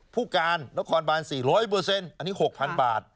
ผู้การนครบาน๔๐๐อันนี้๖๐๐๐บาท